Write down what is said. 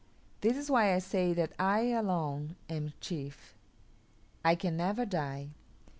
This is why I say that I alone am chief. I can never die.